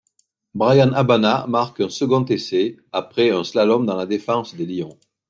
Bryan Habana marque un second essai après un slalom dans la défense des Lions.